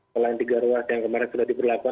selain tiga ruas yang kemarin sudah diberlakukan